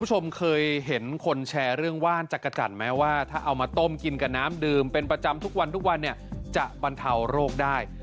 คุณผู้ชมเคยเห็นคนแชร์เรื่องว่านจักรจันทร์ไหมว่าถ้าเอามาต้มกินกับน้ำดื่มเป็นประจำทุกวันทุกวันเนี่ยจะบรรเทาโรคได้